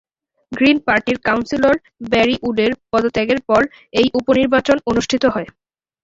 Green পার্টির councillor Barry উডের পদত্যাগের পর এই উপ-নির্বাচন অনুষ্ঠিত হয়।